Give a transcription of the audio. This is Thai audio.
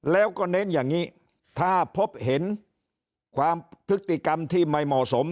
แล้วก็เน้นอย่างนี้ถ้าพบเห็นความพฤติกรรมที่ไม่เหมาะสม